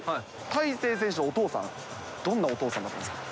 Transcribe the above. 大勢選手のお父さん、どんなお父さんだったんですか？